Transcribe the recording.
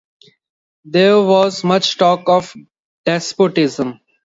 There was much talk of "despotism".